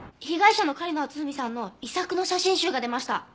被害者の狩野篤文さんの遺作の写真集が出ました。